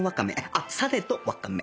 あっされどわかめ